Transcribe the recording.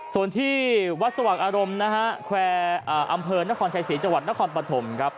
ส่วนที่วัดสว่างอารมณ์นะฮะแควร์อำเภอนครชายศรีจังหวัดนครปฐมครับ